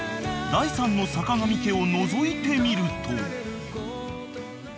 ［第３の坂上家をのぞいてみると］